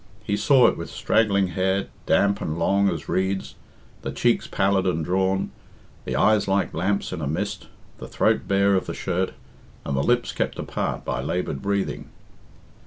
He saw it with straggling hair, damp and long as reeds, the cheeks pallid and drawn, the eyes like lamps in a mist, the throat bare of the shirt, and the lips kept apart by laboured breathing.